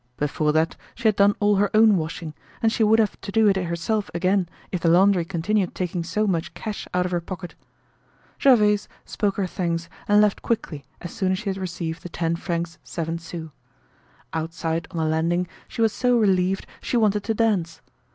Before that she had done all her own washing, and she would have to do it herself again if the laundry continued taking so much cash out of her pocket. Gervaise spoke her thanks and left quickly as soon as she had received the ten francs seven sous. Outside on the landing she was so relieved she wanted to dance.